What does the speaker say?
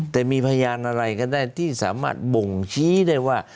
แต่มีพยานอะไรก็ได้ที่สามารถบ่งชี้ได้ว่า